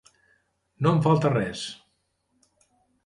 No em falta res.